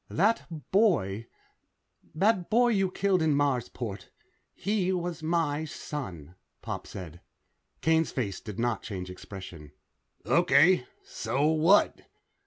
"That boy that boy you killed in Marsport. He was my son," Pop said. Kane's face did not change expression. "Okay. So what?"